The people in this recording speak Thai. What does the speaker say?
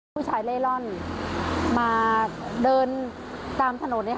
ผู้ชายเล่ร่อนมาเดินตามถนน